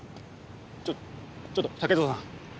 ちょちょっと竹蔵さん。